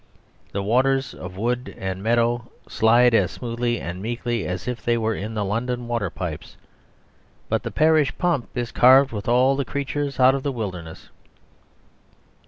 The waters of wood and meadow slide as smoothly and meekly as if they were in the London water pipes. But the parish pump is carved with all the creatures out of the wilderness.